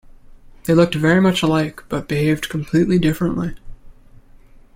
They looked very much alike but behaved completely differently.